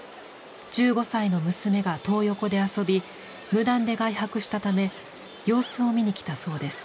１５歳の娘がトー横で遊び無断で外泊したため様子を見に来たそうです。